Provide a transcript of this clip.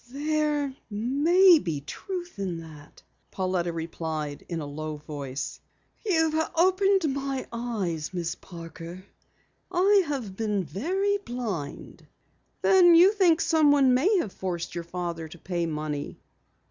"There may be truth in it," Pauletta replied in a low voice. "You've opened my eyes, Miss Parker. I've been very blind." "Then you think someone may have forced your father to pay money?"